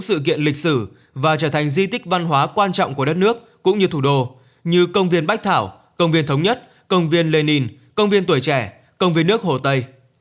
các sự kiện lịch sử và trở thành di tích văn hóa quan trọng của đất nước cũng như thủ đô như công viên bách thảo công viên thống nhất công viên lenin công viên tuổi trẻ công viên nước hồ tây